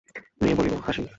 মেয়ে বলিল, হাসি।